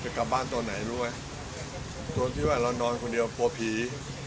ฮใจก็บ้านหน่อยรู้ไหมตัวที่ว่าลองนอนคนเดียวโปรพี